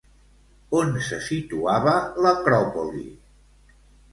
On se situava l'acròpoli?